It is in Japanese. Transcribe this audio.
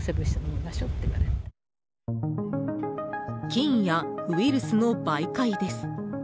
菌やウイルスの媒介です。